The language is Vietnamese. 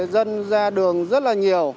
dân ra đường rất là nhiều